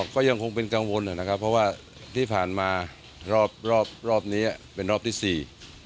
ก็ยังคงเป็นกังวลนะครับเพราะว่าที่ผ่านมารอบรอบนี้เป็นรอบที่สี่